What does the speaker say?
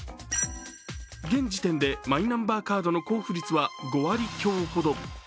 現時点でマイナンバーカードの交付率は５割強ほど。